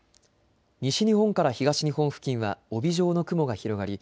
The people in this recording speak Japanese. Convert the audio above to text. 西日本から東日本付近は帯状の雲が広がり